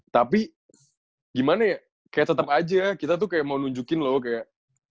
tapi gimana ya kayak tetap aja kita tuh kayak mau nunjukin loh kayak